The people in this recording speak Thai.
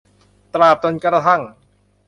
ตราบจนกระทั่ง